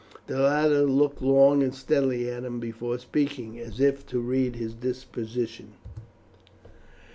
The latter looked long and steadily at him before speaking, as if to read his disposition.